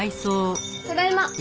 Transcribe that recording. ただいま。